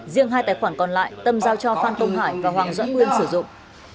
riêng hai tài khoản còn lại tâm giao cho phan công hải và hoàng doãn nguyên sử dụng